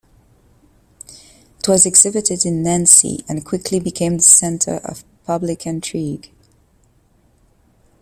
It was exhibited in Nancy and quickly became the center of public intrigue.